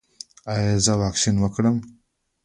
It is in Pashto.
ایا زه واکسین وکړم؟